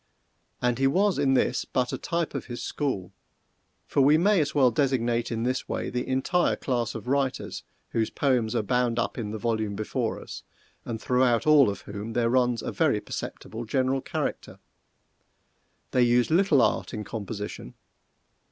And he was in this but a type of his school for we may as well designate in this way the entire class of writers whose poems are bound up in the volume before us, and throughout all of whom there runs a very perceptible general character. They used little art in composition.